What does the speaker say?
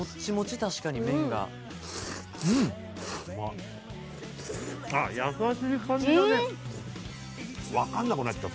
確かに麺がああ優しい感じだねうん！